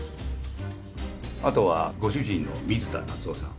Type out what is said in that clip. あとはご主人の水田夏雄さん。